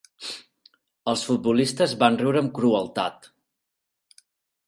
Els futbolistes van riure amb crueltat.